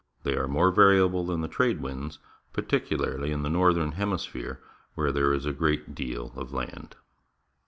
They are more variable than the trade winds, particularly in the northern hemi sphere, where there is a great deal of land.